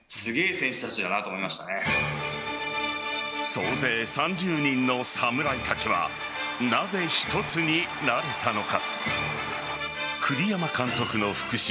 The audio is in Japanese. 総勢３０人の侍たちはなぜ一つになれたのか。